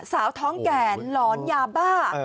สาวท้องแก่หลอนยาบ้า